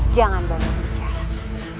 jangan banyak bicara